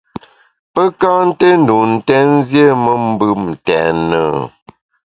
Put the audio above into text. Pe ka nté ndun ntèn, nziéme mbùm ntèn e ?